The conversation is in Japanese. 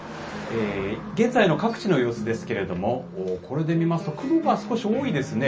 現在の各地の様子ですけれども、これで見ますと、雲が少し多いですね。